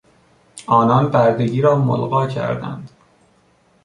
آنان بردگی را ملغی کردند.